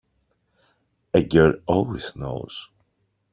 A girl always knows.